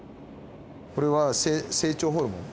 これは成長ホルモン。